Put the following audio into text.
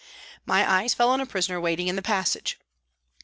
My eyes fell on a prisoner waiting in the passage.